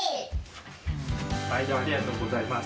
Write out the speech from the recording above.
まいどありがとうございます。